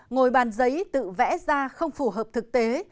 ngồi bàn giấy tự vẽ ra không phù hợp thực tế